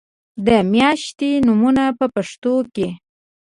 د میاشتو نومونه په پښتو کې